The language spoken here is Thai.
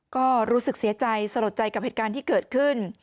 ก็รู้สึกเสียใจสลดใจกับเหตุการณ์ที่เกิดขึ้น